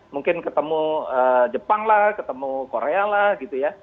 mungkin ketemu jepang lah ketemu korea lah gitu ya